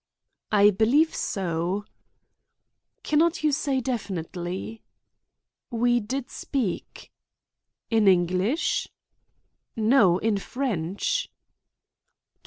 "I believe so." "Can not you say definitely?" "We did speak." "In English?" "No, in French."